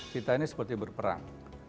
kita ini seperti berperang